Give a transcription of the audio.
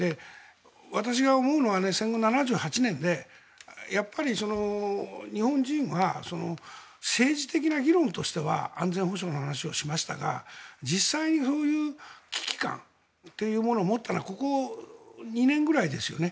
私が思うのは戦後７８年でやっぱり日本人は政治的な議論としては安全保障の話をしましたが実際、そういう危機感というのを持ったのはここ２年ぐらいですよね。